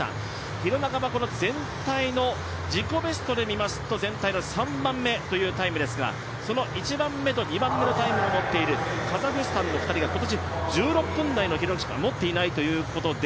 廣中はこの全体の自己ベストで見ますと、全体の３番目というタイムですが、その１番目と２番目のタイムをもっているカザフスタンの２人が今年、１６分台の記録しか持っていないということで。